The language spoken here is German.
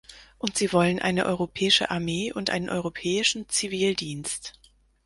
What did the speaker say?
Und sie wollen eine europäische Armee und einen europäischen Zivildienst.